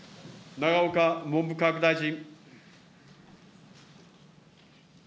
永岡文部科学大臣。